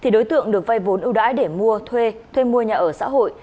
đối tượng được vay vốn ưu đãi để mua thuê thuê mua nhà ở xã hội